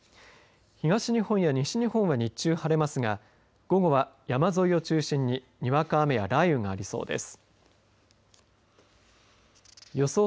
東日本や西日本は日中晴れますが午後は、山沿いを中心ににわか雨や雷雨がありそうです。